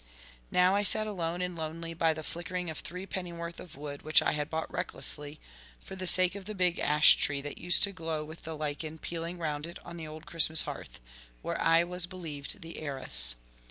Now I sat alone and lonely by the flickering of three pennyworth of wood which I had bought recklessly for the sake of the big ash tree that used to glow with the lichen peeling round it on the old Christmas hearth, where I was believed the heiress.